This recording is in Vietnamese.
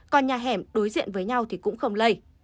còn nhà hẻm đối diện với nhau thì cũng không lây